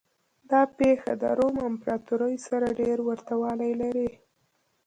دا پېښه د روم امپراتورۍ سره ډېر ورته والی لري.